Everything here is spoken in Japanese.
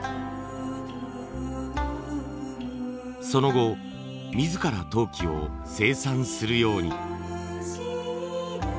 その後自ら陶器を生産するように。